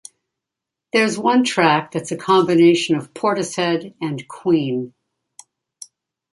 There's one track that's a combination of Portishead and Queen.